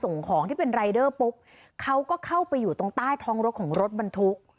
ส่งของที่เป็นรายเดอร์ปุ๊บเขาก็เข้าไปอยู่ตรงใต้ท้องรถของรถบรรทุก